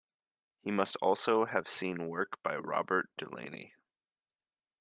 He must also have seen work by Robert Delaunay.